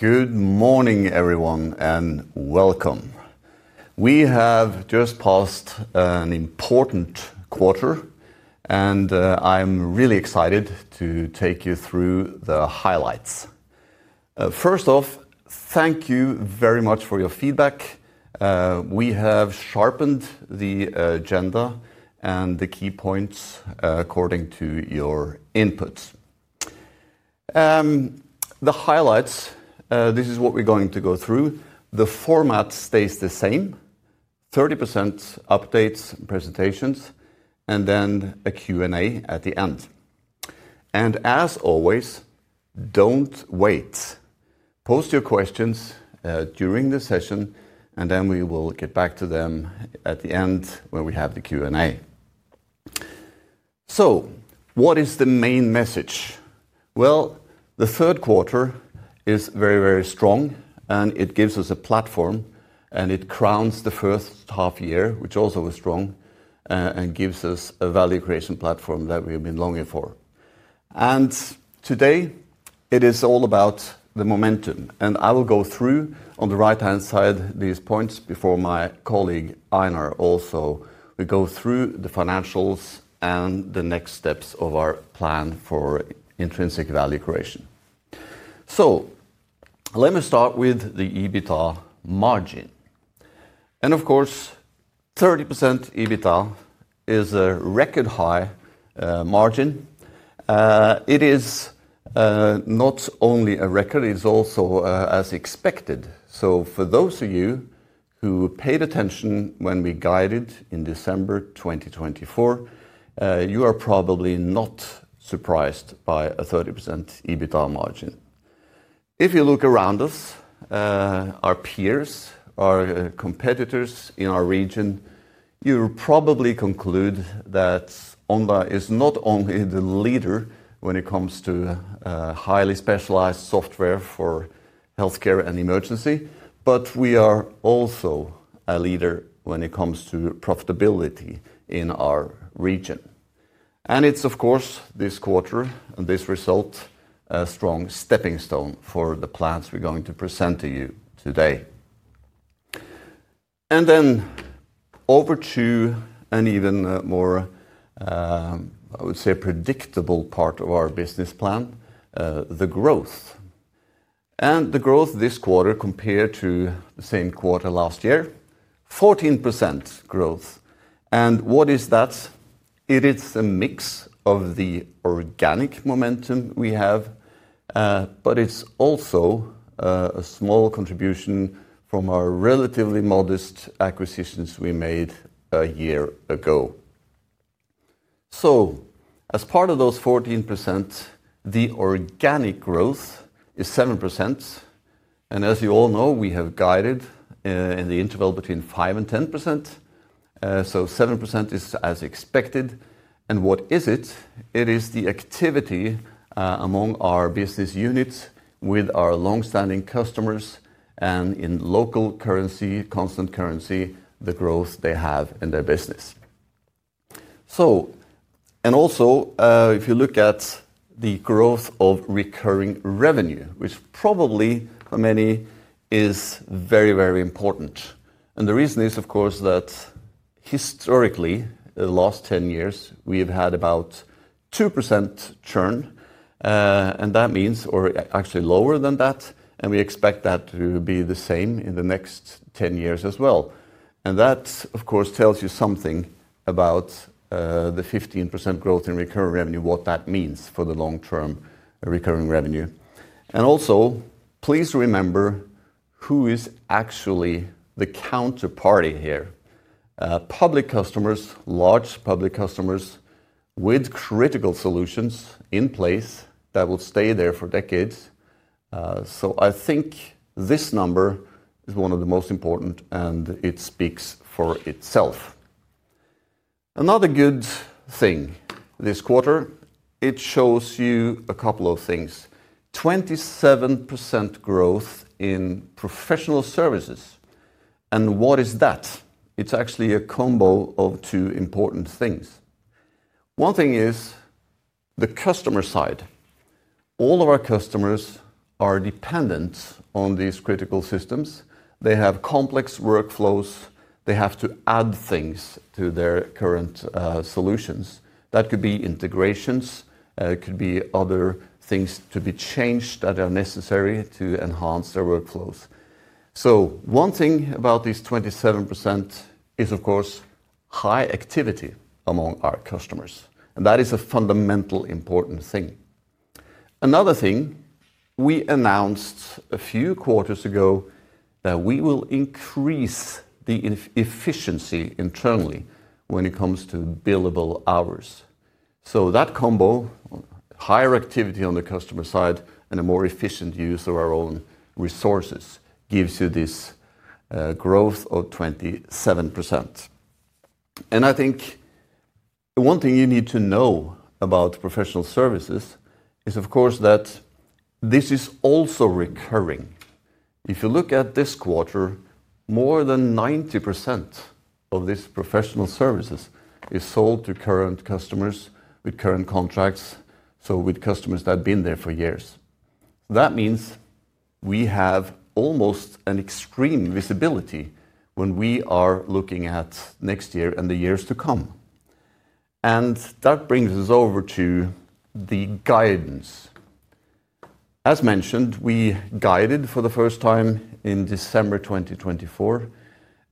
Good morning, everyone, and welcome. We have just passed an important quarter, and I'm really excited to take you through the highlights. First off, thank you very much for your feedback. We have sharpened the agenda and the key points according to your input. The highlights: this is what we're going to go through. The format stays the same: 30% updates and presentations, and then a Q&A at the end. As always, don't wait. Post your questions during the session, and then we will get back to them at the end when we have the Q&A. What is the main message? The third quarter is very, very strong, and it gives us a platform, and it crowns the first half year, which also was strong and gives us a value creation platform that we have been longing for. Today, it is all about the momentum. I will go through, on the right-hand side, these points before my colleague Einar also. We go through the financials and the next steps of our plan for intrinsic value creation. Let me start with the EBITDA margin. Of course, 30% EBITDA is a record high margin. It is not only a record, it is also as expected. For those of you who paid attention when we guided in December 2024, you are probably not surprised by a 30% EBITDA margin. If you look around us, our peers, our competitors in our region, you'll probably conclude that Omda is not only the leader when it comes to highly specialized software for healthcare and emergency, but we are also a leader when it comes to profitability in our region. It is, of course, this quarter and this result, a strong stepping stone for the plans we are going to present to you today. Over to an even more, I would say, predictable part of our business plan: the growth. The growth this quarter compared to the same quarter last year: 14% growth. What is that? It is a mix of the organic momentum we have, but it is also a small contribution from our relatively modest acquisitions we made a year ago. As part of those 14%, the organic growth is 7%. As you all know, we have guided in the interval between 5% and 10%. 7% is as expected. What is it? It is the activity among our business units with our longstanding customers and in local currency, constant currency, the growth they have in their business. If you look at the growth of recurring revenue, which probably for many is very, very important. The reason is, of course, that historically, the last 10 years, we have had about 2% churn, or actually lower than that. We expect that to be the same in the next 10 years as well. That, of course, tells you something about the 15% growth in recurring revenue, what that means for the long-term recurring revenue. Also, please remember who is actually the counterparty here: public customers, large public customers with critical solutions in place that will stay there for decades. I think this number is one of the most important, and it speaks for itself. Another good thing this quarter, it shows you a couple of things: 27% growth in professional services. What is that? It's actually a combo of two important things. One thing is the customer side. All of our customers are dependent on these critical systems. They have complex workflows. They have to add things to their current solutions. That could be integrations. It could be other things to be changed that are necessary to enhance their workflows. One thing about these 27% is, of course, high activity among our customers. That is a fundamental important thing. Another thing, we announced a few quarters ago that we will increase the efficiency internally when it comes to billable hours. That combo, higher activity on the customer side and a more efficient use of our own resources, gives you this growth of 27%. I think one thing you need to know about professional services is, of course, that this is also recurring. If you look at this quarter, more than 90% of these professional services is sold to current customers with current contracts, so with customers that have been there for years. That means we have almost an extreme visibility when we are looking at next year and the years to come. That brings us over to the guidance. As mentioned, we guided for the first time in December 2024.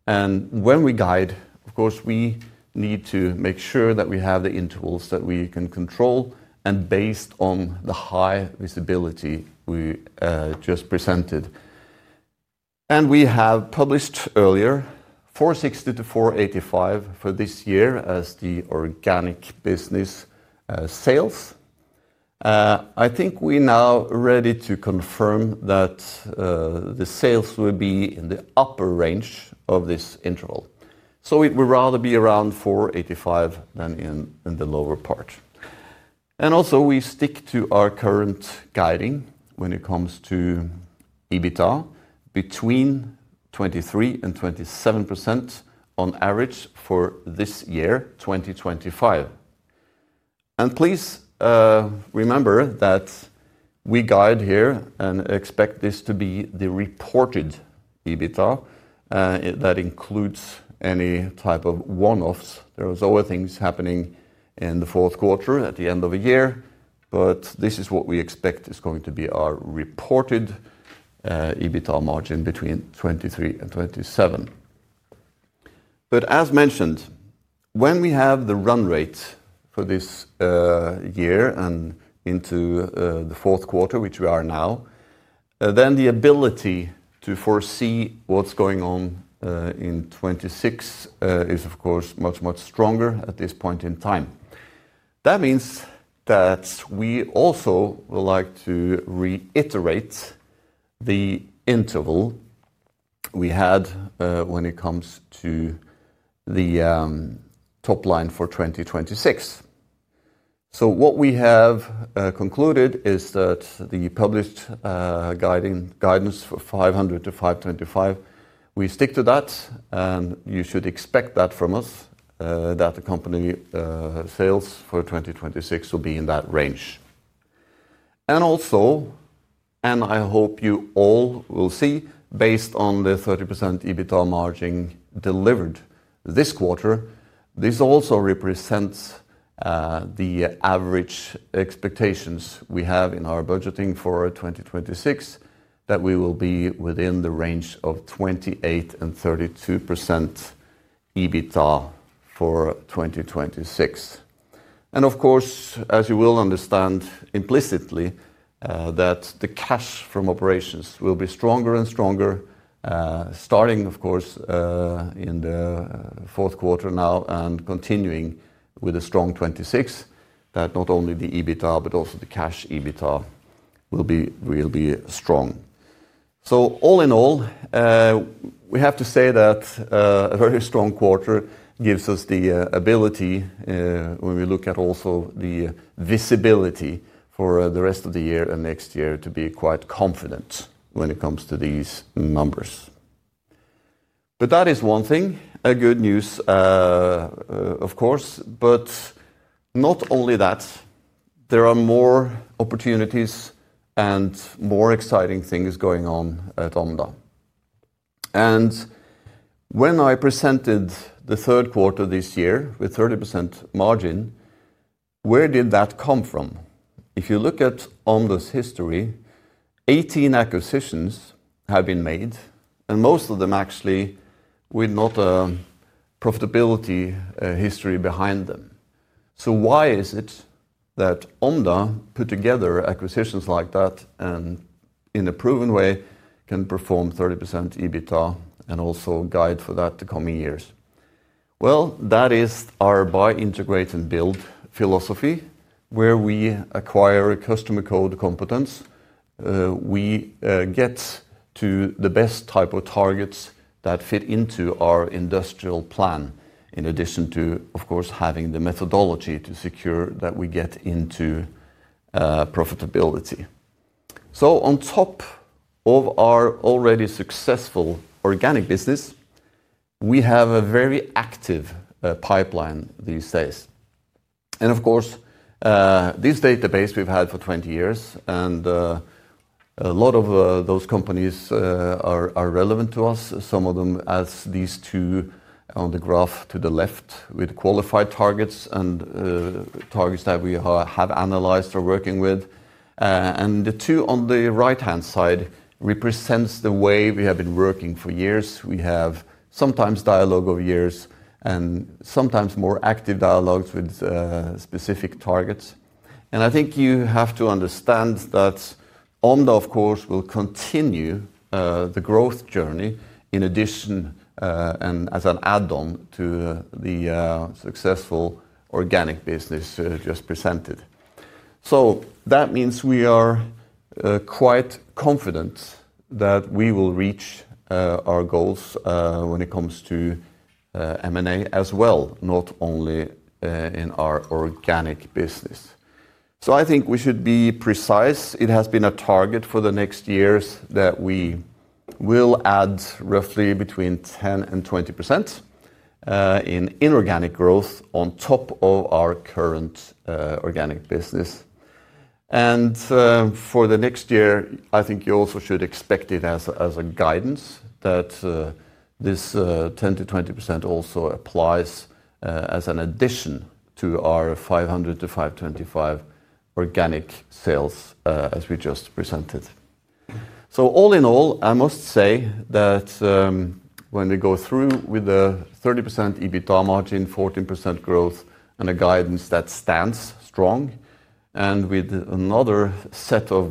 When we guide, of course, we need to make sure that we have the intervals that we can control and based on the high visibility we just presented. We have published earlier 460 million-485 million for this year as the organic business sales. I think we're now ready to confirm that the sales will be in the upper range of this interval. It would rather be around 485 million than in the lower part. We stick to our current guiding when it comes to EBITDA, between 23% and 27% on average for this year, 2025. Please remember that we guide here and expect this to be the reported EBITDA that includes any type of one-offs. There were other things happening in the fourth quarter at the end of the year, but this is what we expect is going to be our reported EBITDA margin between 23% and 27%. As mentioned, when we have the run rate for this year and into the fourth quarter, which we are now, the ability to foresee what's going on in 2026 is, of course, much, much stronger at this point in time. That means that we also would like to reiterate the interval we had when it comes to the top line for 2026. What we have concluded is that the published guidance for 500 million-525 million, we stick to that, and you should expect that from us, that the company sales for 2026 will be in that range. Also, I hope you all will see, based on the 30% EBITDA margin delivered this quarter, this also represents the average expectations we have in our budgeting for 2026, that we will be within the range of 28%-32% EBITDA for 2026. Of course, as you will understand implicitly, the cash from operations will be stronger and stronger, starting, of course, in the fourth quarter now and continuing with a strong 2026, that not only the EBITDA, but also the cash EBITDA will be strong. All in all, we have to say that a very strong quarter gives us the ability, when we look at also the visibility for the rest of the year and next year, to be quite confident when it comes to these numbers. That is one thing, good news, of course, but not only that, there are more opportunities and more exciting things going on at Omda. When I presented the third quarter this year with 30% margin, where did that come from? If you look at Omda's history, 18 acquisitions have been made, and most of them actually with not a profitability history behind them. Why is it that Omda put together acquisitions like that and in a proven way can perform 30% EBITDA and also guide for that the coming years? That is our Buy, Integrate and Build philosophy, where we acquire customer code competence. We get to the best type of targets that fit into our industrial plan, in addition to, of course, having the methodology to secure that we get into profitability. On top of our already successful organic business, we have a very active pipeline these days. This database we have had for 20 years, and a lot of those companies are relevant to us, some of them as these two on the graph to the left with qualified targets and targets that we have analyzed or are working with. The two on the right-hand side represent the way we have been working for years. We have sometimes dialogue over years and sometimes more active dialogues with specific targets. I think you have to understand that Omda, of course, will continue the growth journey in addition and as an add-on to the successful organic business just presented. That means we are quite confident that we will reach our goals when it comes to M&A as well, not only in our organic business. I think we should be precise. It has been a target for the next years that we will add roughly between 10% and 20% in inorganic growth on top of our current organic business. For the next year, I think you also should expect it as a guidance that this 10%-20% also applies as an addition to our 500-525 organic sales as we just presented. All in all, I must say that when we go through with the 30% EBITDA margin, 14% growth, and a guidance that stands strong, with another set of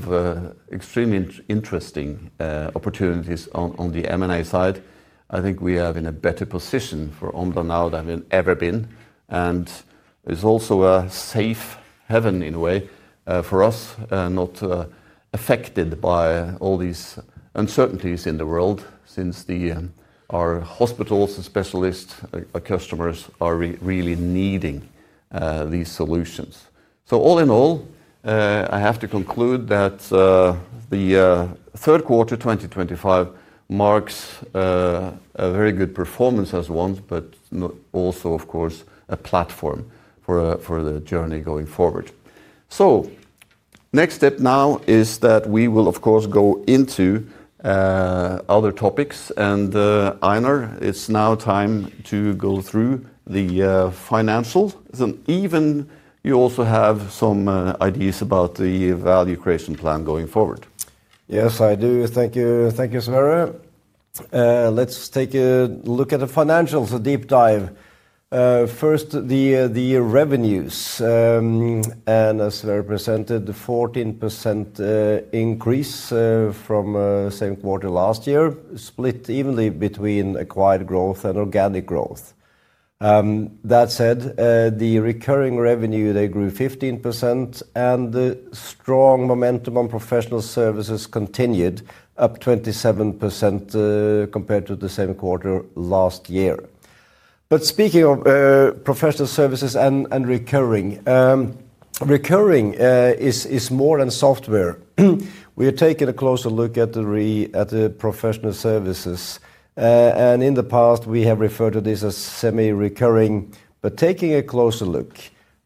extremely interesting opportunities on the M&A side, I think we are in a better position for Omda now than we've ever been. It is also a safe haven in a way for us, not affected by all these uncertainties in the world since our hospitals and specialist customers are really needing these solutions. All in all, I have to conclude that the third quarter 2025 marks a very good performance as one, but also, of course, a platform for the journey going forward. The next step now is that we will, of course, go into other topics. Einar, it's now time to go through the financials. Even you also have some ideas about the value creation plan going forward. Yes, I do. Thank you, Sverre. Let's take a look at the financials, a deep dive. First, the revenues. As Sverre presented, the 14% increase from the same quarter last year split evenly between acquired growth and organic growth. That said, the recurring revenue, they grew 15%, and the strong momentum on professional services continued up 27% compared to the same quarter last year. Speaking of professional services and recurring, recurring is more than software. We are taking a closer look at the professional services. In the past, we have referred to this as semi-recurring. Taking a closer look,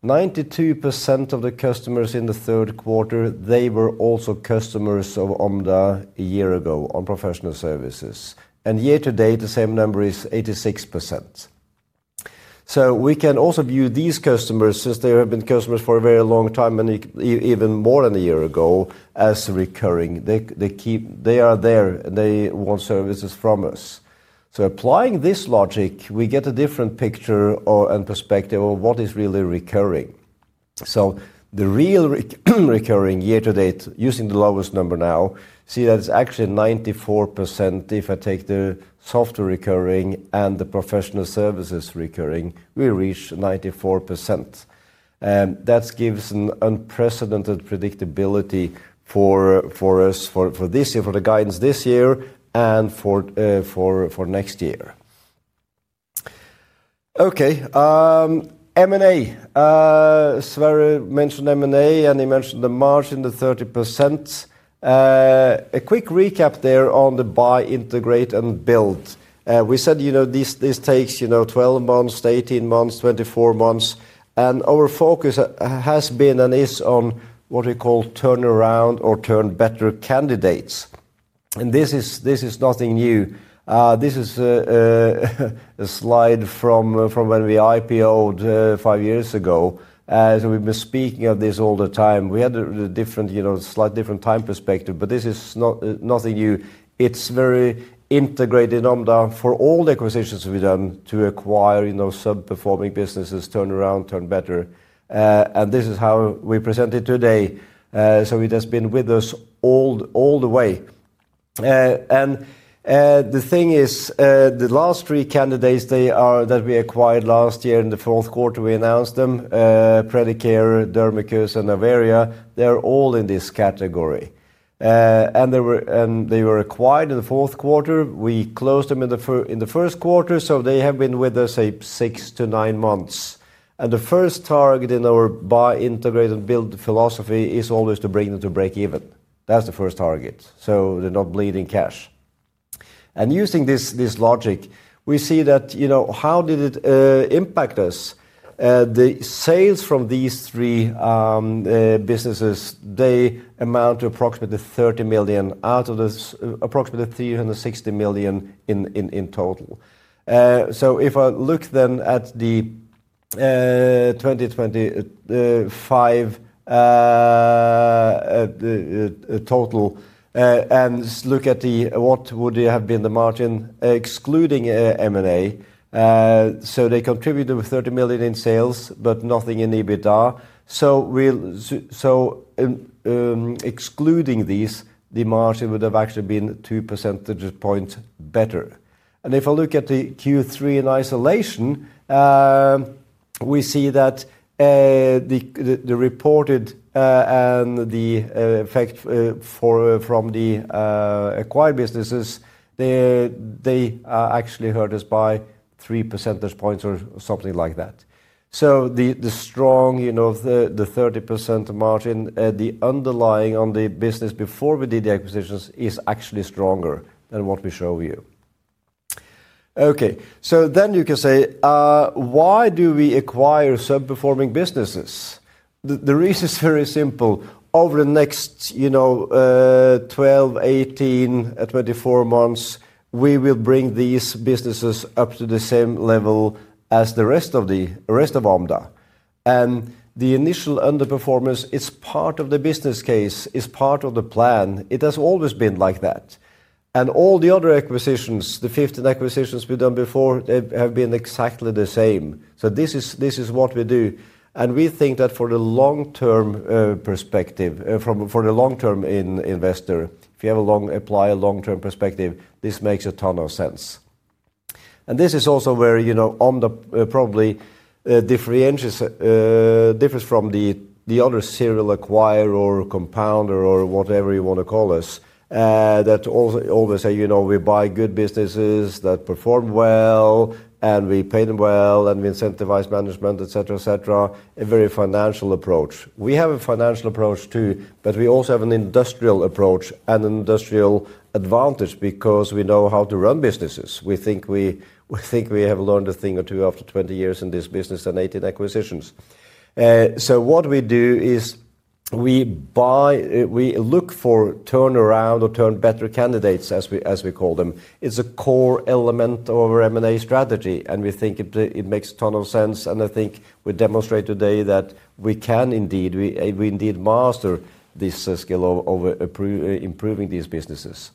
92% of the customers in the third quarter, they were also customers of Omda a year ago on professional services. Year to date, the same number is 86%. We can also view these customers since they have been customers for a very long time, and even more than a year ago, as recurring. They are there, and they want services from us. Applying this logic, we get a different picture and perspective of what is really recurring. The real recurring year to date, using the lowest number now, see that it's actually 94%. If I take the software recurring and the professional services recurring, we reach 94%. That gives an unprecedented predictability for us for this year, for the guidance this year and for next year. Okay, M&A. Sverre mentioned M&A, and he mentioned the margin, the 30%. A quick recap there on the Buy Integrate and Build. We said this takes 12 months, 18 months, 24 months. Our focus has been and is on what we call turnaround or turn-better candidates. This is nothing new. This is a slide from when we IPO'd five years ago. We've been speaking of this all the time. We had a slightly different time perspective, but this is nothing new. It's very integrated in Omda for all the acquisitions we've done to acquire sub-performing businesses, turnaround, turn better. This is how we present it today. It has been with us all the way. The thing is, the last three candidates that we acquired last year in the fourth quarter, we announced them, Predicare, Dermicus, and Aweria, they're all in this category. They were acquired in the fourth quarter. We closed them in the first quarter. They have been with us, say, six to nine months. The first target in our Buy, Integrate, and Build philosophy is always to bring them to break even. That's the first target. They're not bleeding cash. Using this logic, we see that how did it impact us? The sales from these three businesses, they amount to approximately 30 million out of the approximately 360 million in total. If I look then at the 2025 total, and look at what would have been the margin excluding M&A. They contributed with 30 million in sales, but nothing in EBITDA. Excluding these, the margin would have actually been two percentage points better. If I look at the Q3 in isolation, we see that the reported and the effect from the acquired businesses, they actually hurt us by three percentage points or something like that. The strong, the 30% margin, the underlying on the business before we did the acquisitions is actually stronger than what we show you. Okay, you can say, why do we acquire sub-performing businesses? The reason is very simple. Over the next 12, 18, 24 months, we will bring these businesses up to the same level as the rest of Omda. The initial underperformance is part of the business case, is part of the plan. It has always been like that. All the other acquisitions, the 15 acquisitions we have done before, they have been exactly the same. This is what we do. We think that for the long-term perspective, for the long-term investor, if you apply a long-term perspective, this makes a ton of sense. This is also where Omda probably differs from the other serial acquirer or compounder or whatever you want to call us, that always say, we buy good businesses that perform well, and we pay them well, and we incentivize management, etc., etc. A very financial approach. We have a financial approach too, but we also have an industrial approach and an industrial advantage because we know how to run businesses. We think we have learned a thing or two after 20 years in this business and 18 acquisitions. What we do is we buy, we look for turnaround or turn-better candidates, as we call them. It's a core element of our M&A strategy, and we think it makes a ton of sense. I think we demonstrate today that we can indeed, we indeed master this skill of improving these businesses.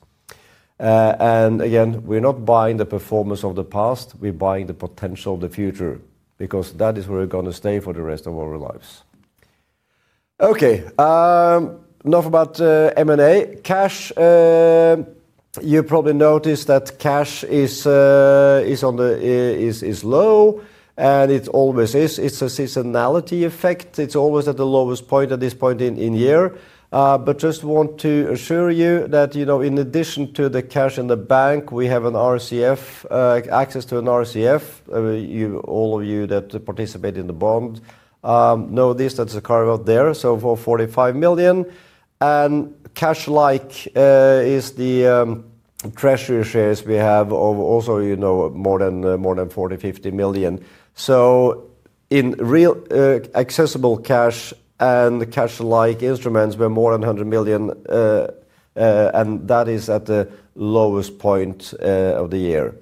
We're not buying the performance of the past, we're buying the potential of the future because that is where we're going to stay for the rest of our lives. Okay, enough about M&A. Cash, you probably noticed that cash is low, and it always is. It's a seasonality effect. It's always at the lowest point at this point in the year. I just want to assure you that in addition to the cash in the bank, we have an RCF, access to an RCF. All of you that participate in the bond know this, that's a carve-out there. For 45 million. Cash-like is the treasury shares we have of also more than 40-50 million. In real accessible cash and cash-like instruments, we're more than 100 million, and that is at the lowest point of the year.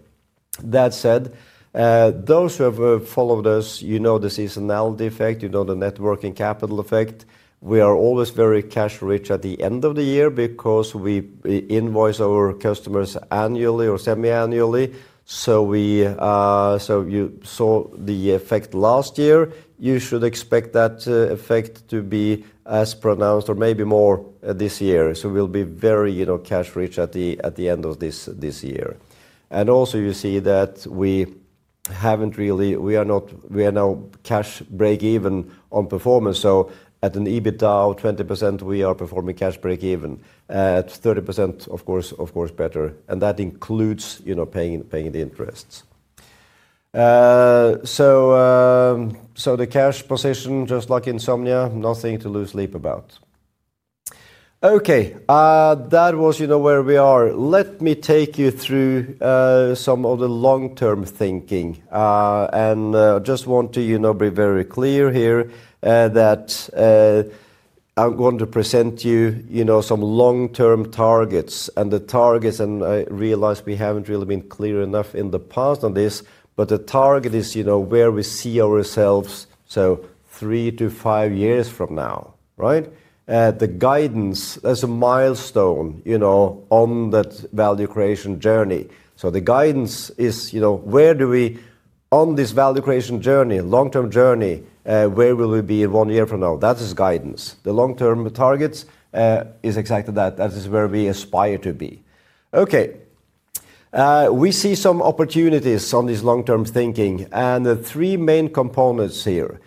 That said, those who have followed us, you know the seasonality effect, you know the networking capital effect. We are always very cash-rich at the end of the year because we invoice our customers annually or semi-annually. You saw the effect last year. You should expect that effect to be as pronounced or maybe more this year. We will be very cash-rich at the end of this year. You see that we have not really, we are not, we are now cash break-even on performance. At an EBITDA of 20%, we are performing cash break-even. At 30%, of course, better. That includes paying the interests. The cash position, just like insomnia, nothing to lose sleep about. Okay, that was where we are. Let me take you through some of the long-term thinking. I just want to be very clear here that I'm going to present you some long-term targets. The targets, and I realize we haven't really been clear enough in the past on this, but the target is where we see ourselves, three to five years from now, right? The guidance as a milestone on that value creation journey. The guidance is where do we on this value creation journey, long-term journey, where will we be in one year from now? That is guidance. The long-term targets is exactly that. That is where we aspire to be. Okay, we see some opportunities on this long-term thinking. The three main components here,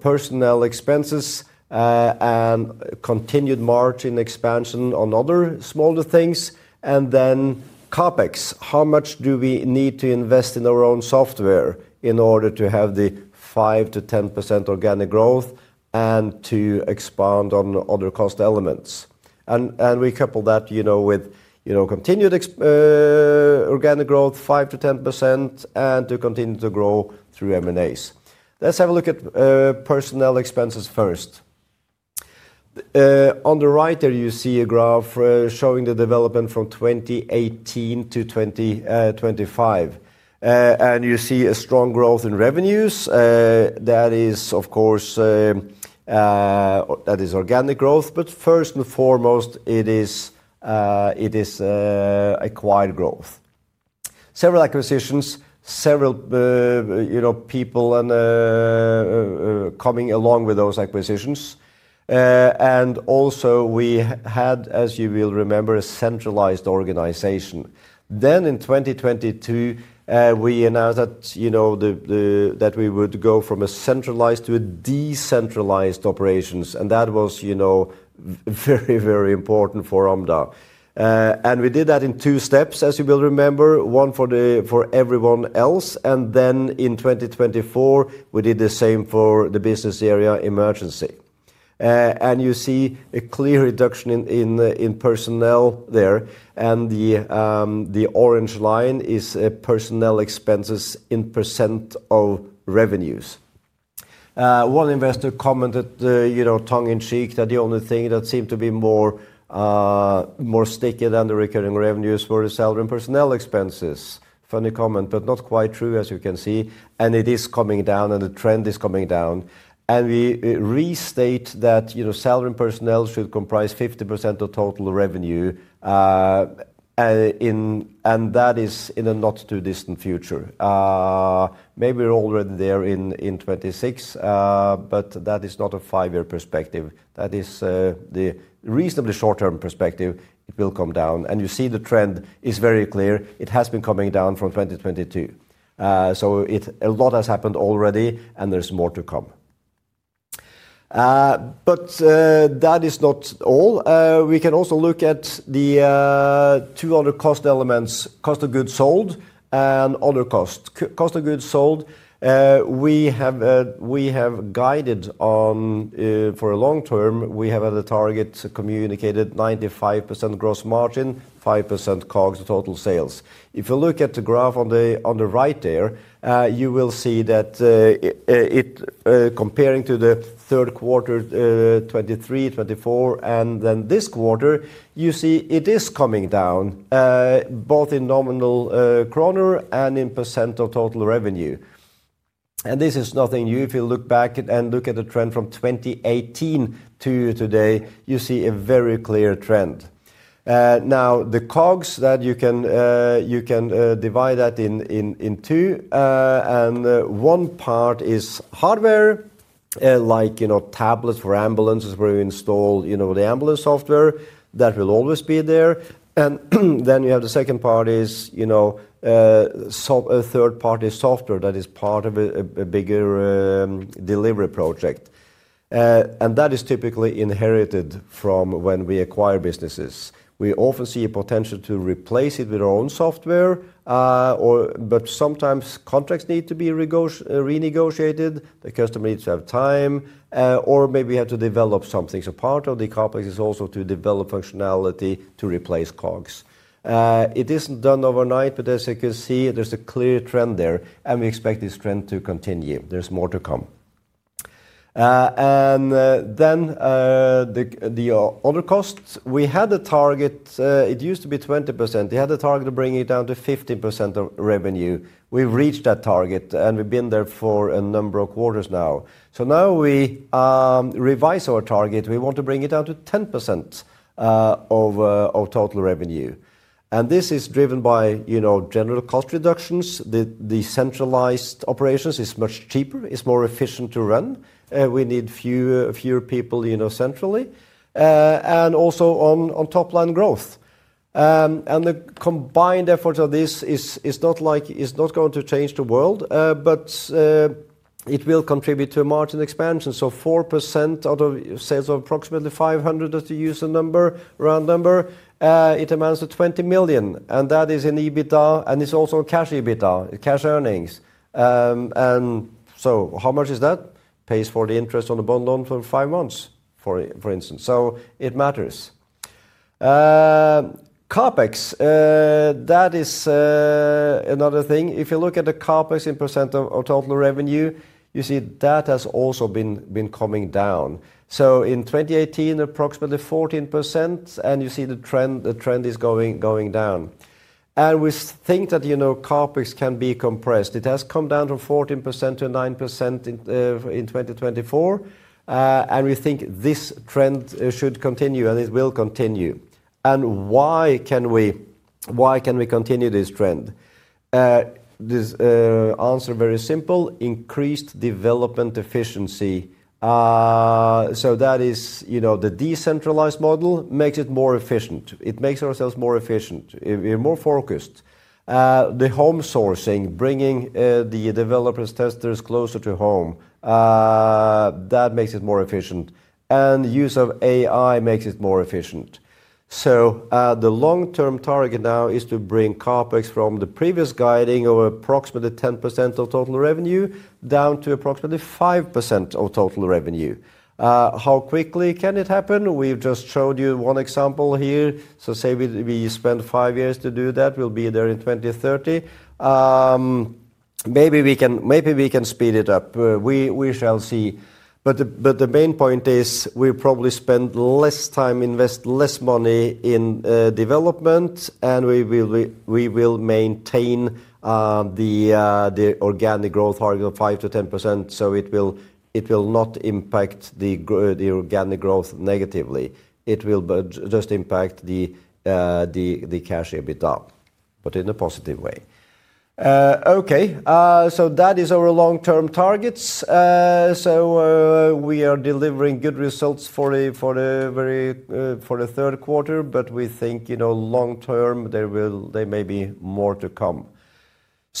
personnel expenses and continued margin expansion on other smaller things. CapEx, how much do we need to invest in our own software in order to have the 5%-10% organic growth and to expand on other cost elements? We couple that with continued organic growth, 5%-10%, and to continue to grow through M&As. Let's have a look at personnel expenses first. On the right there, you see a graph showing the development from 2018 to 2025. You see a strong growth in revenues. That is, of course, organic growth. First and foremost, it is acquired growth. Several acquisitions, several people coming along with those acquisitions. We had, as you will remember, a centralized organization. In 2022, we announced that we would go from a centralized to a decentralized operations. That was very, very important for Omda. We did that in two steps, as you will remember, one for everyone else. In 2024, we did the same for the business area emergency. You see a clear reduction in personnel there. The orange line is personnel expenses in percent of revenues. One investor commented tongue in cheek that the only thing that seemed to be more sticky than the recurring revenues were the salary and personnel expenses. Funny comment, but not quite true, as you can see. It is coming down, and the trend is coming down. We restate that salary and personnel should comprise 50% of total revenue. That is in a not too distant future. Maybe we are already there in 2026, but that is not a five-year perspective. That is the reasonably short-term perspective. It will come down. You see the trend is very clear. It has been coming down from 2022. A lot has happened already, and there's more to come. That is not all. We can also look at the two other cost elements, cost of goods sold and other costs. Cost of goods sold, we have guided on for a long term, we have a target communicated 95% gross margin, 5% COGS total sales. If you look at the graph on the right there, you will see that comparing to the third quarter, 2023, 2024, and then this quarter, you see it is coming down both in nominal corner and in percent of total revenue. This is nothing new. If you look back and look at the trend from 2018 to today, you see a very clear trend. Now, the COGS that you can divide that in two. One part is hardware, like tablets for ambulances where we install the ambulance software. That will always be there. Then you have the second part, which is third-party software that is part of a bigger delivery project. That is typically inherited from when we acquire businesses. We often see a potential to replace it with our own software, but sometimes contracts need to be renegotiated. The customer needs to have time, or maybe we have to develop something. Part of the CapEx is also to develop functionality to replace COGS. It is not done overnight, but as you can see, there is a clear trend there. We expect this trend to continue. There is more to come. The other costs, we had a target, it used to be 20%. We had a target of bringing it down to 15% of revenue. We've reached that target, and we've been there for a number of quarters now. We revise our target. We want to bring it down to 10% of total revenue. This is driven by general cost reductions. The centralized operations is much cheaper, is more efficient to run. We need fewer people centrally. Also on top-line growth. The combined effort of this is not going to change the world, but it will contribute to margin expansion. 4% out of sales of approximately 500, that's the user number, round number, it amounts to 20 million. That is in EBITDA, and it's also cash EBITDA, cash earnings. How much is that? Pays for the interest on the bond loan for five months, for instance. It matters. CapEx, that is another thing. If you look at the CapEx in percent of total revenue, you see that has also been coming down. In 2018, approximately 14%, and you see the trend is going down. We think that CapEx can be compressed. It has come down from 14% to 9% in 2024. We think this trend should continue, and it will continue. Why can we continue this trend? The answer is very simple: increased development efficiency. That is, the decentralized model makes it more efficient. It makes ourselves more efficient. We're more focused. The home sourcing, bringing the developers, testers closer to home, that makes it more efficient. Use of AI makes it more efficient. The long-term target now is to bring CapEx from the previous guiding of approximately 10% of total revenue down to approximately 5% of total revenue. How quickly can it happen? We've just showed you one example here. Say we spend five years to do that, we'll be there in 2030. Maybe we can speed it up. We shall see. The main point is we probably spend less time, invest less money in development, and we will maintain the organic growth target of 5%-10%. It will not impact the organic growth negatively. It will just impact the cash EBITDA, but in a positive way. Okay, that is our long-term targets. We are delivering good results for the third quarter, but we think long-term, there may be more to come.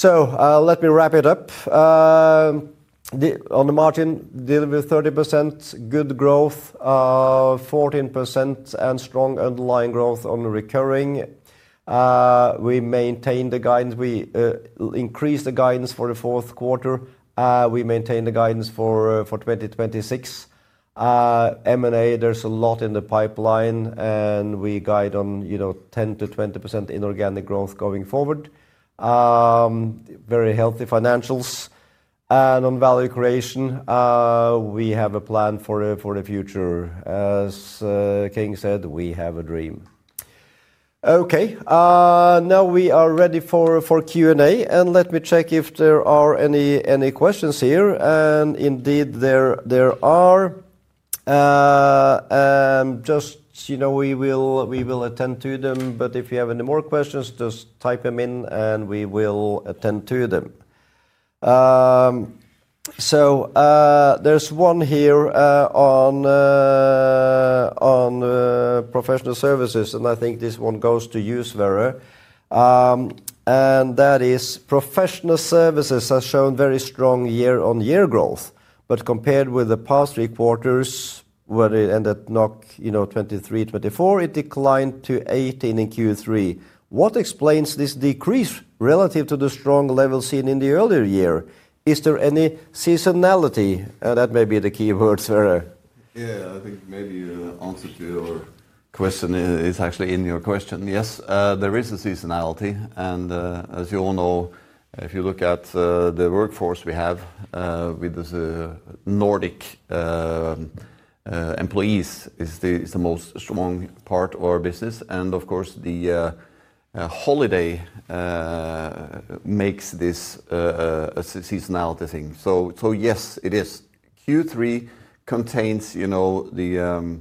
Let me wrap it up. On the margin, delivery 30%, good growth, 14%, and strong underlying growth on recurring. We maintain the guidance. We increase the guidance for the fourth quarter. We maintain the guidance for 2026. M&A, there is a lot in the pipeline, and we guide on 10%-20% in organic growth going forward. Very healthy financials. On value creation, we have a plan for the future. As King said, we have a dream. Okay, now we are ready for Q&A, and let me check if there are any questions here. Indeed, there are. We will attend to them, but if you have any more questions, just type them in, and we will attend to them. There is one here on professional services, and I think this one goes to you, Sverre. That is, professional services has shown very strong year-on-year growth, but compared with the past three quarters, when it ended 23, 24, it declined to 18 in Q3. What explains this decrease relative to the strong level seen in the earlier year? Is there any seasonality? That may be the key word, Sverre. Yeah, I think maybe the answer to your question is actually in your question. Yes, there is a seasonality. As you all know, if you look at the workforce we have with the Nordic employees, it is the most strong part of our business. Of course, the holiday makes this a seasonality thing. Yes, it is. Q3 contains the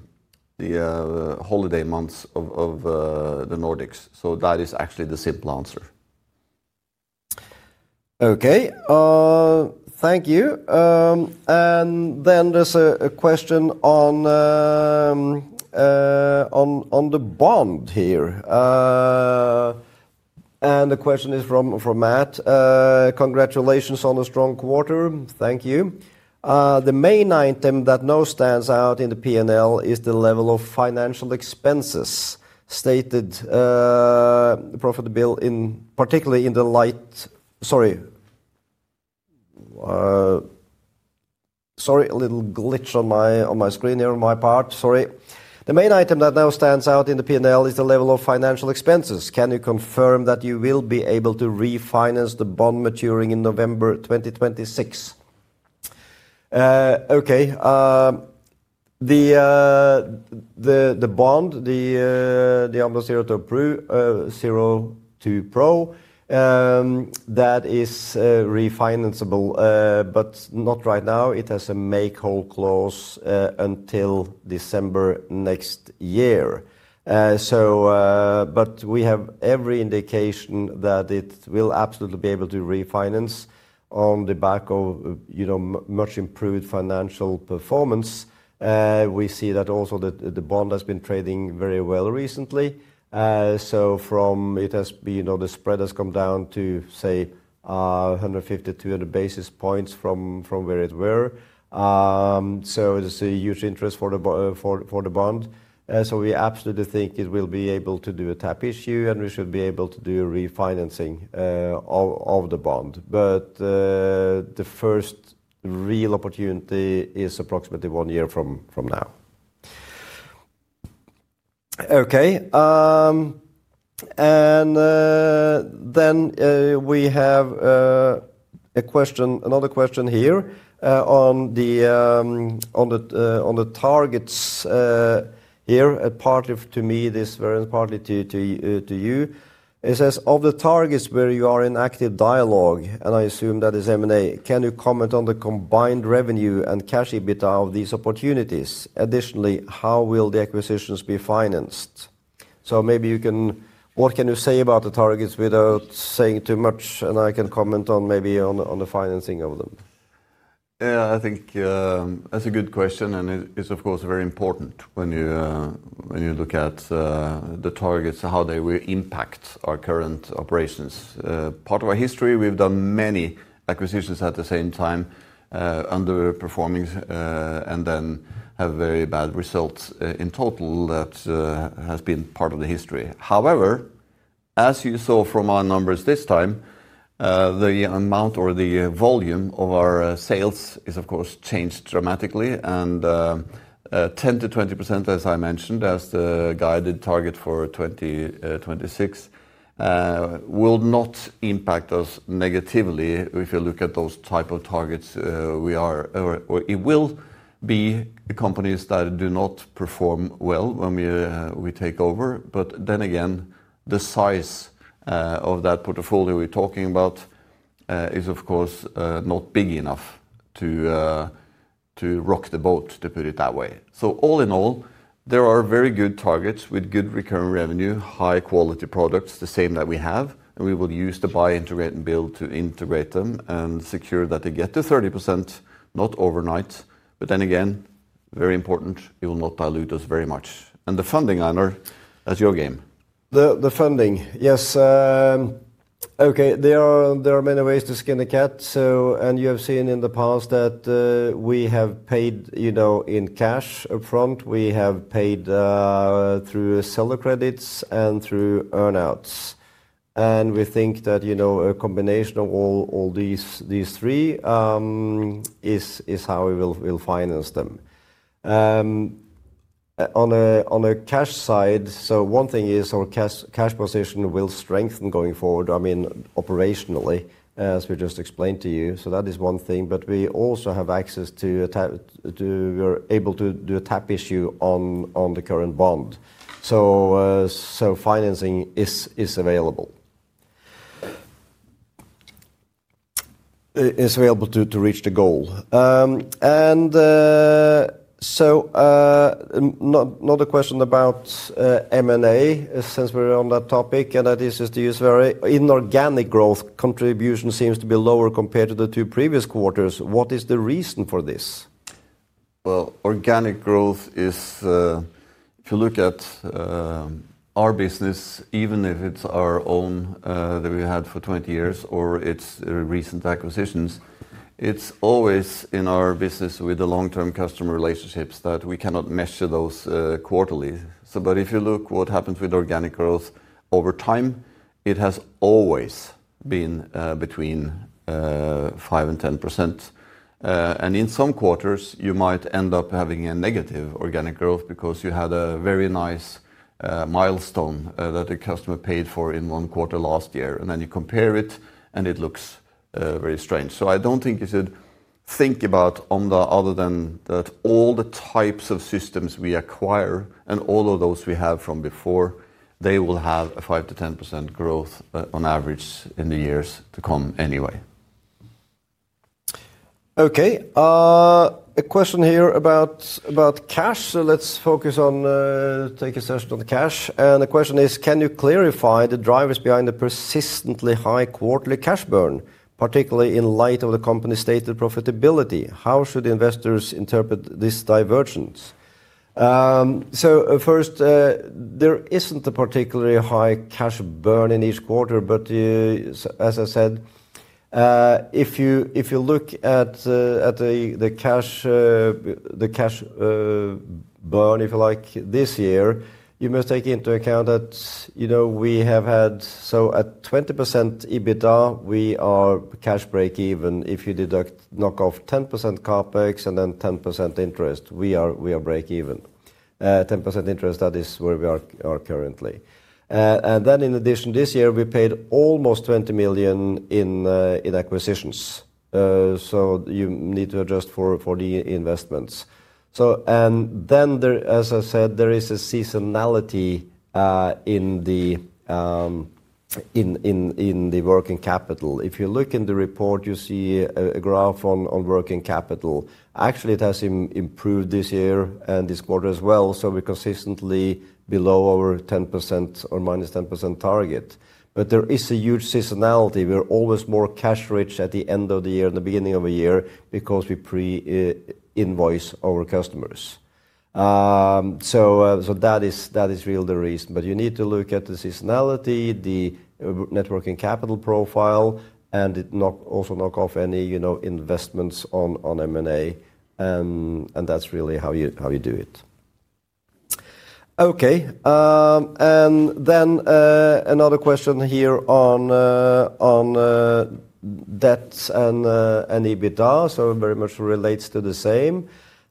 holiday months of the Nordics. That is actually the simple answer. Okay, thank you. There is a question on the bond here. The question is from Matt. Congratulations on a strong quarter. Thank you. The main item that now stands out in the P&L is the level of financial expenses stated profitability, particularly in the light. Sorry. Sorry, a little glitch on my screen here on my part. Sorry. The main item that now stands out in the P&L is the level of financial expenses. Can you confirm that you will be able to refinance the bond maturing in November 2026? Okay. The bond, the OMDA02 Pro, that is refinanceable, but not right now. It has a make-whole clause until December next year. We have every indication that it will absolutely be able to refinance on the back of much improved financial performance. We see that also the bond has been trading very well recently. From it has been, the spread has come down to, say, 150 basis points-200 basis points from where it were. It is a huge interest for the bond. We absolutely think it will be able to do a tap issue, and we should be able to do refinancing of the bond. The first real opportunity is approximately one year from now. Okay. We have another question here on the targets here. It's partly to me, this variance, partly to you. It says, of the targets where you are in active dialogue, and I assume that is M&A, can you comment on the combined revenue and cash EBITDA of these opportunities? Additionally, how will the acquisitions be financed? Maybe you can, what can you say about the targets without saying too much, and I can comment maybe on the financing of them? Yeah, I think that's a good question, and it's of course very important when you look at the targets, how they will impact our current operations. Part of our history, we've done many acquisitions at the same time, underperforming, and then have very bad results in total that has been part of the history. However, as you saw from our numbers this time, the amount or the volume of our sales is of course changed dramatically. And 10%-20%, as I mentioned, as the guided target for 2026, will not impact us negatively if you look at those type of targets. It will be companies that do not perform well when we take over. But then again, the size of that portfolio we're talking about is of course not big enough to rock the boat, to put it that way. So, all in all, there are very good targets with good recurring revenue, high-quality products, the same that we have. And we will use the Buy Integrate and Build to integrate them and secure that they get to 30%, not overnight. But then again, very important, it will not dilute us very much. And the funding, Einar, that's your game. The funding, yes. Okay, there are many ways to skin the cat. You have seen in the past that we have paid in cash upfront. We have paid through seller credits and through earnouts. We think that a combination of all these three is how we will finance them. On the cash side, one thing is our cash position will strengthen going forward, I mean, operationally, as we just explained to you. That is one thing. We also have access to, we're able to do a tap issue on the current bond. Financing is available. It's available to reach the goal. Not a question about M&A since we're on that topic, and that is just to use very inorganic growth contribution seems to be lower compared to the two previous quarters. What is the reason for this? Organic growth is, if you look at our business, even if it is our own that we had for 20 years or it is recent acquisitions, it is always in our business with the long-term customer relationships that we cannot measure those quarterly. If you look at what happens with organic growth over time, it has always been between 5% and 10%. In some quarters, you might end up having a negative organic growth because you had a very nice milestone that the customer paid for in one quarter last year. You compare it, and it looks very strange. I do not think you should think about Omda other than that all the types of systems we acquire and all of those we have from before, they will have a 5%-10% growth on average in the years to come anyway. Okay, a question here about cash. Let's focus on, take a session on cash. The question is, can you clarify the drivers behind the persistently high quarterly cash burn, particularly in light of the company's stated profitability? How should investors interpret this divergence? First, there isn't a particularly high cash burn in each quarter, but as I said, if you look at the cash burn, if you like, this year, you must take into account that we have had, at 20% EBITDA, we are cash break even if you knock off 10% CapEx and then 10% interest. We are break even. 10% interest, that is where we are currently. In addition, this year, we paid almost 20 million in acquisitions. You need to adjust for the investments. As I said, there is a seasonality in the working capital. If you look in the report, you see a graph on working capital. Actually, it has improved this year and this quarter as well. We are consistently below our 10% or -10% target. There is a huge seasonality. We are always more cash rich at the end of the year, in the beginning of the year, because we pre-invoice our customers. That is really the reason. You need to look at the seasonality, the net working capital profile, and also knock off any investments on M&A. That is really how you do it. Okay, another question here on debts and EBITDA. It very much relates to the same.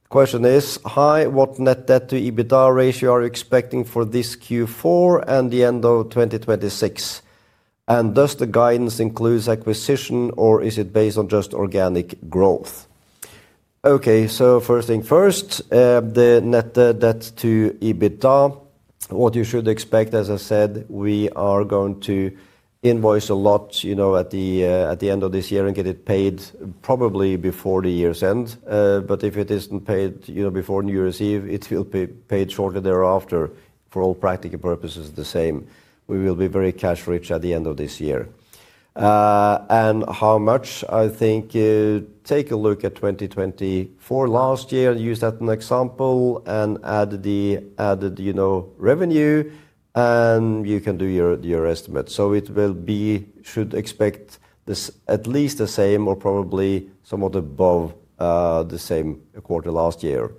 The question is, what net debt to EBITDA ratio are you expecting for this Q4 and the end of 2026? Does the guidance include acquisition, or is it based on just organic growth? Okay, so first thing first, the net debt to EBITDA, what you should expect, as I said, we are going to invoice a lot at the end of this year and get it paid probably before the year's end. If it is not paid before you receive, it will be paid shortly thereafter. For all practical purposes, the same. We will be very cash rich at the end of this year. And how much, I think, take a look at 2024 last year, use that as an example and add the revenue, and you can do your estimate. You should expect at least the same or probably somewhat above the same quarter last year.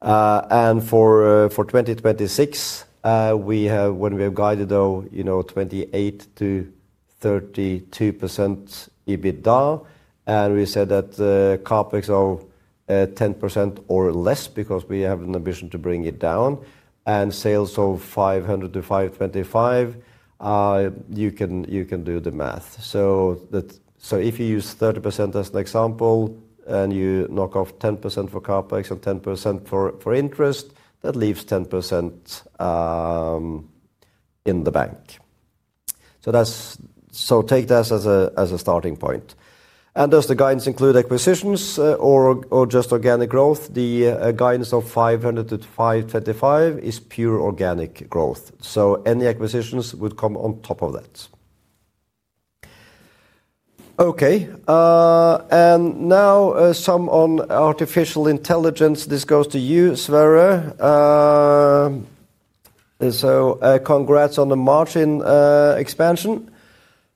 For 2026, when we have guided, though, 28%-32% EBITDA, and we said that CapEx of 10% or less because we have an ambition to bring it down, and sales of 500 million-525 million, you can do the math. If you use 30% as an example and you knock off 10% for CapEx and 10% for interest, that leaves 10% in the bank. Take that as a starting point. Does the guidance include acquisitions or just organic growth? The guidance of 500 million-525 million is pure organic growth. Any acquisitions would come on top of that. Now, some on artificial intelligence. This goes to you, Sverre. Congrats on the margin expansion.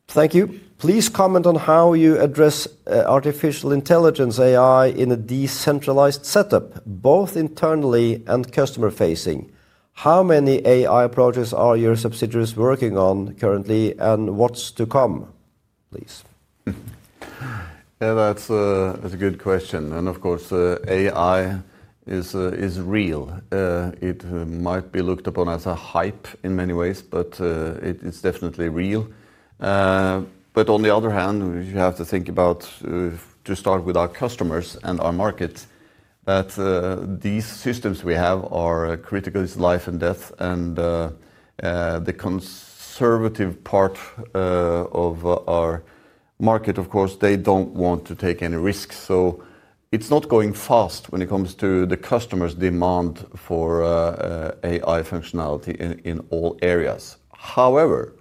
Thank you. Please comment on how you address artificial intelligence, AI in a decentralized setup, both internally and customer-facing. How many AI projects are your subsidiaries working on currently and what's to come? Please. That's a good question. AI is real. It might be looked upon as a hype in many ways, but it's definitely real. On the other hand, we have to think about, to start with our customers and our market, that these systems we have are critical, it's life and death. The conservative part of our market, of course, they don't want to take any risks. It's not going fast when it comes to the customer's demand for AI functionality in all areas. However,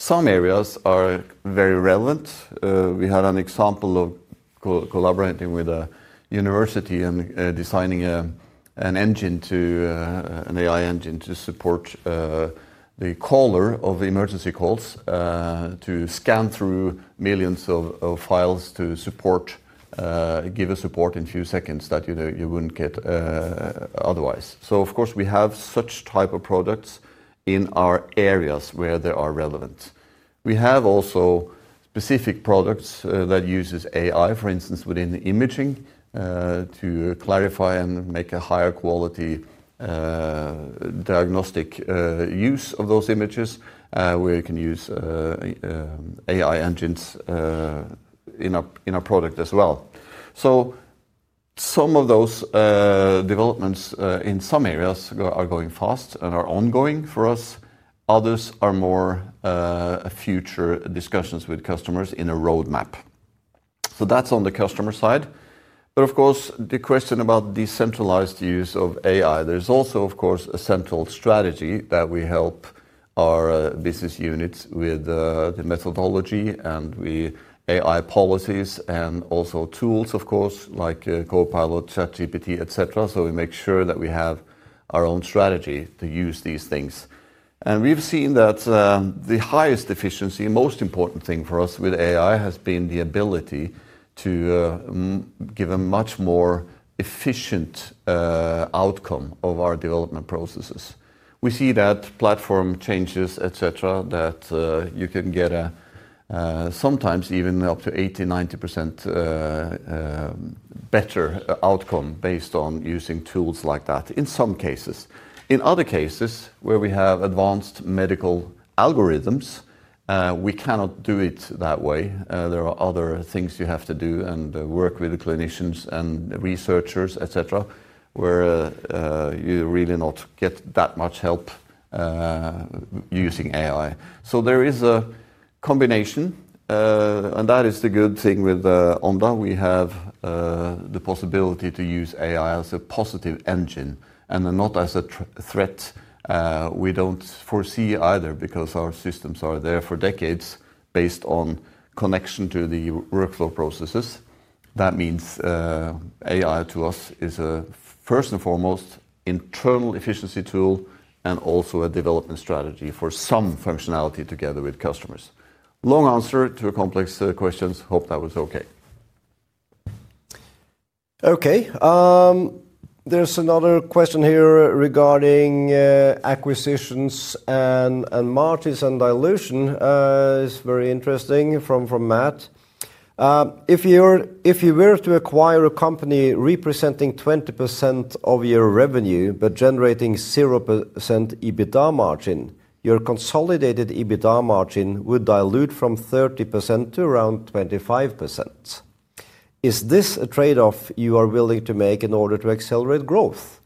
some areas are very relevant. We had an example of collaborating with a university and designing an engine, an AI engine, to support the caller of emergency calls to scan through millions of files to give support in a few seconds that you would not get otherwise. Of course, we have such type of products in our areas where they are relevant. We have also specific products that use AI, for instance, within imaging to clarify and make a higher quality diagnostic use of those images where you can use AI engines in our product as well. Some of those developments in some areas are going fast and are ongoing for us. Others are more future discussions with customers in a roadmap. That is on the customer side. Of course, the question about decentralized use of AI, there's also, of course, a central strategy that we help our business units with the methodology and the AI policies and also tools, of course, like Copilot, ChatGPT, etc. We make sure that we have our own strategy to use these things. We've seen that the highest efficiency, most important thing for us with AI has been the ability to give a much more efficient outcome of our development processes. We see that platform changes, etc., that you can get sometimes even up to 80%-90% better outcome based on using tools like that in some cases. In other cases, where we have advanced medical algorithms, we cannot do it that way. There are other things you have to do and work with the clinicians and researchers, etc., where you really not get that much help using AI. There is a combination, and that is the good thing with Omda. We have the possibility to use AI as a positive engine and not as a threat. We do not foresee either because our systems are there for decades based on connection to the workflow processes. That means AI to us is first and foremost an internal efficiency tool and also a development strategy for some functionality together with customers. Long answer to a complex question. Hope that was okay. Okay, there is another question here regarding acquisitions and margins and dilution. It is very interesting from Matt. If you were to acquire a company representing 20% of your revenue, but generating 0% EBITDA margin, your consolidated EBITDA margin would dilute from 30% to around 25%. Is this a trade-off you are willing to make in order to accelerate growth?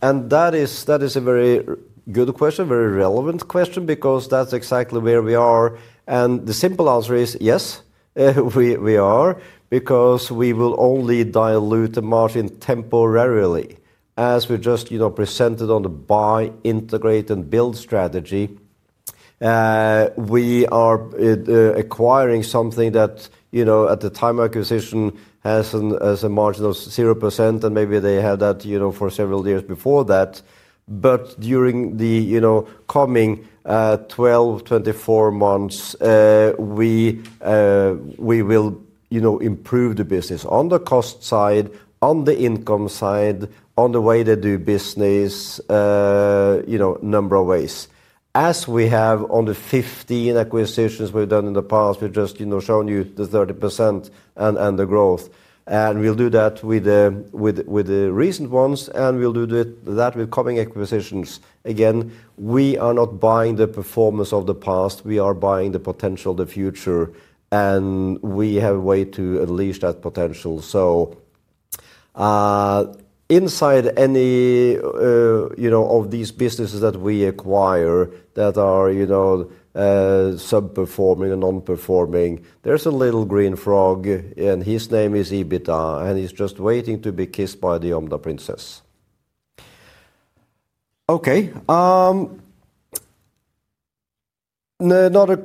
That is a very good question, very relevant question, because that's exactly where we are. The simple answer is yes, we are, because we will only dilute the margin temporarily. As we just presented on the Buy Integrate and Build strategy, we are acquiring something that at the time of acquisition has a margin of 0%, and maybe they had that for several years before that. During the coming 12-24 months, we will improve the business on the cost side, on the income side, on the way they do business, a number of ways. As we have on the 15 acquisitions we've done in the past, we've just shown you the 30% and the growth. We'll do that with the recent ones, and we'll do that with coming acquisitions. Again, we are not buying the performance of the past. We are buying the potential, the future, and we have a way to unleash that potential. Inside any of these businesses that we acquire that are sub-performing and non-performing, there is a little green frog, and his name is EBITDA, and he is just waiting to be kissed by the Omda princess. Okay, another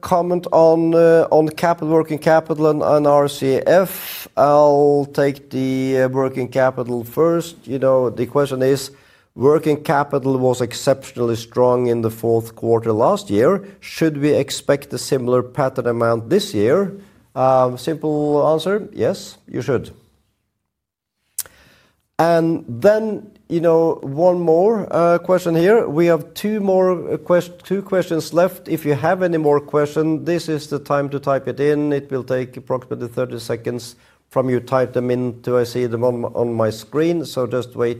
comment on working capital and RCF. I will take the working capital first. The question is, working capital was exceptionally strong in the fourth quarter last year. Should we expect a similar pattern amount this year? Simple answer, yes, you should. One more question here. We have two questions left. If you have any more questions, this is the time to type it in. It will take approximately 30 seconds from you type them in to I see them on my screen. Just do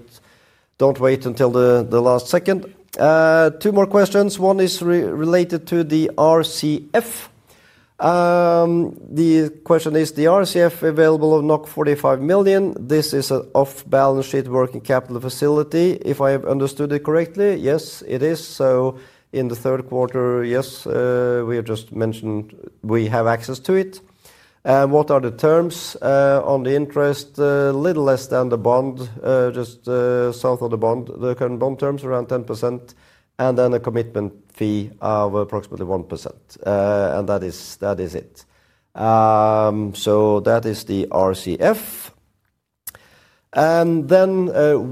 not wait until the last second. Two more questions. One is related to the RCF. The question is, the RCF available of 45 million. This is an off-balance sheet working capital facility. If I have understood it correctly, yes, it is. In the third quarter, yes, we have just mentioned we have access to it. What are the terms on the interest? A little less than the bond, just south of the bond, the current bond terms around 10%, and then a commitment fee of approximately 1%. That is it. That is the RCF.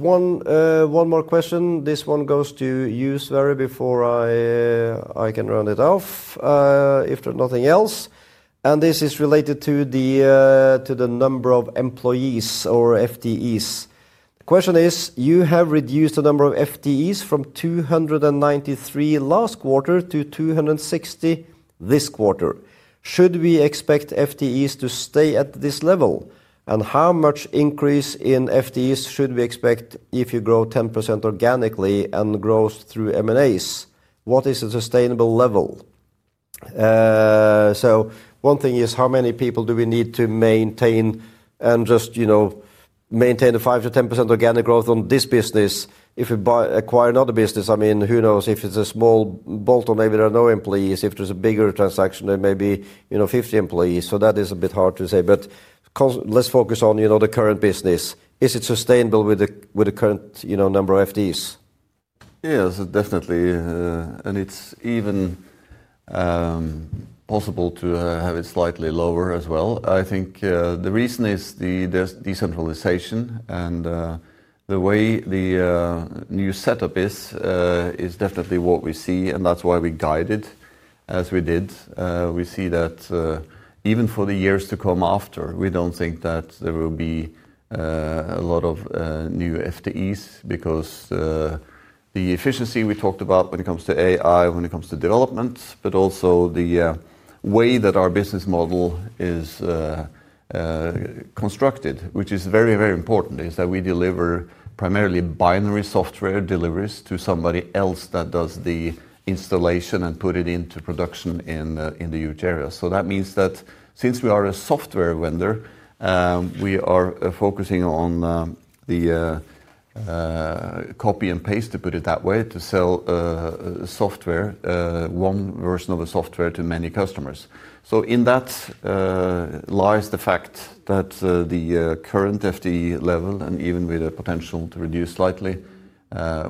One more question. This one goes to you, Sverre, before I can round it off, if there is nothing else. This is related to the number of employees or FTEs. The question is, you have reduced the number of FTEs from 293 last quarter to 260 this quarter. Should we expect FTEs to stay at this level? How much increase in FTEs should we expect if you grow 10% organically and grow through M&As? What is a sustainable level? One thing is, how many people do we need to maintain and just maintain the 5%-10% organic growth on this business? If we acquire another business, I mean, who knows if it's a small bolt on, maybe there are no employees. If there's a bigger transaction, there may be 50 employees. That is a bit hard to say. Let's focus on the current business. Is it sustainable with the current number of FTEs? Yes, definitely. It's even possible to have it slightly lower as well. I think the reason is the decentralization and the way the new setup is, is definitely what we see. That's why we guided as we did. We see that even for the years to come after, we do not think that there will be a lot of new FTEs because the efficiency we talked about when it comes to AI, when it comes to development, but also the way that our business model is constructed, which is very, very important, is that we deliver primarily binary software deliveries to somebody else that does the installation and put it into production in the huge area. That means that since we are a software vendor, we are focusing on the copy and paste, to put it that way, to sell software, one version of the software to many customers. In that lies the fact that the current FTE level, and even with a potential to reduce slightly,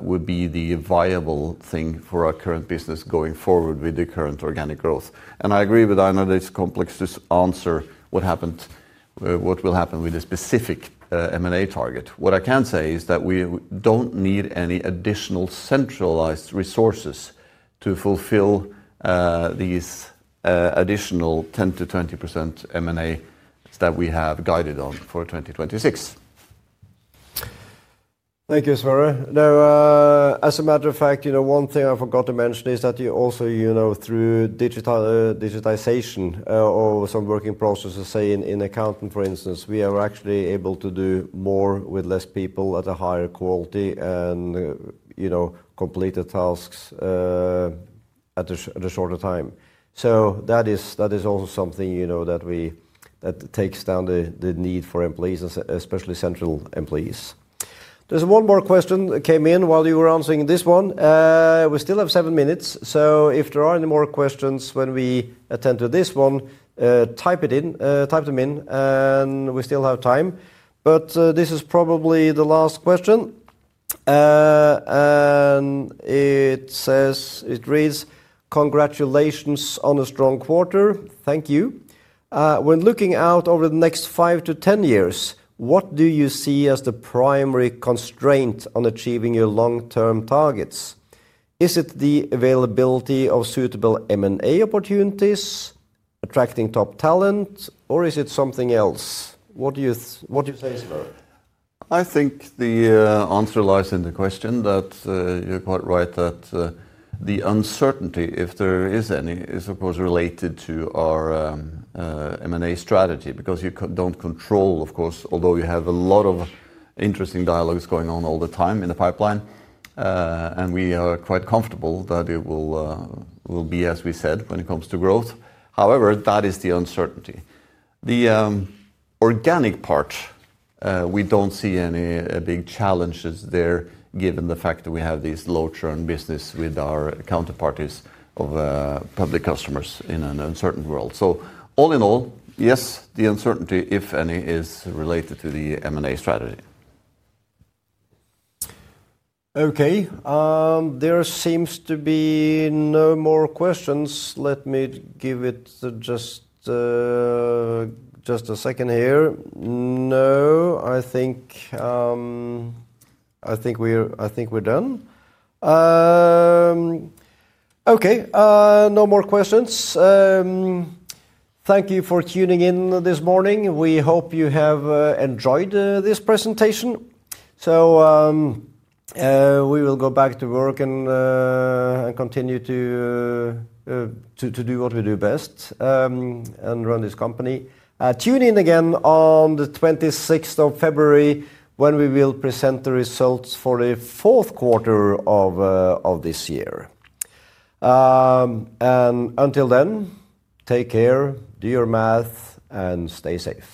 would be the viable thing for our current business going forward with the current organic growth. I agree with Einar, that it's complex to answer what happened, what will happen with the specific M&A target. What I can say is that we don't need any additional centralized resources to fulfill these additional 10%-20% M&A that we have guided on for 2026. Thank you, Sverre. As a matter of fact, one thing I forgot to mention is that you also, through digitization of some working processes, say in accounting, for instance, we are actually able to do more with fewer people at a higher quality and complete the tasks in a shorter time. That is also something that takes down the need for employees, especially central employees. There's one more question that came in while you were answering this one. We still have seven minutes. If there are any more questions when we attend to this one, type them in, and we still have time. This is probably the last question. It reads, "Congratulations on a strong quarter. Thank you. When looking out over the next five to 10 years, what do you see as the primary constraint on achieving your long-term targets? Is it the availability of suitable M&A opportunities, attracting top talent, or is it something else?" What do you say, Sverre? I think the answer lies in the question that you're quite right that the uncertainty, if there is any, is of course related to our M&A strategy because you do not control, of course, although you have a lot of interesting dialogues going on all the time in the pipeline. We are quite comfortable that it will be, as we said, when it comes to growth. However, that is the uncertainty. The organic part, we do not see any big challenges there given the fact that we have these low-turn business with our counterparties of public customers in an uncertain world. All in all, yes, the uncertainty, if any, is related to the M&A strategy. Okay, there seems to be no more questions. Let me give it just a second here. No, I think we are done. Okay, no more questions. Thank you for tuning in this morning. We hope you have enjoyed this presentation. We will go back to work and continue to do what we do best and run this company. Tune in again on the 26th of February when we will present the results for the fourth quarter of this year. Until then, take care, do your math, and stay safe.